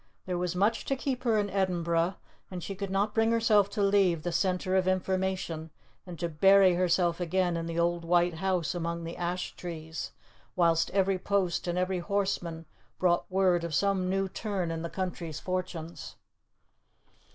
There was much to keep her in Edinburgh, and she could not bring herself to leave the centre of information and to bury herself again in the old white house among the ash trees, whilst every post and every horseman brought word of some new turn in the country's fortunes.